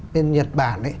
bên nhật bản